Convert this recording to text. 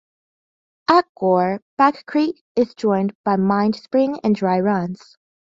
At Gore, Back Creek is joined by Mine Spring and Dry runs.